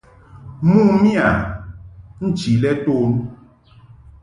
Mo miya nchi lɛ ton.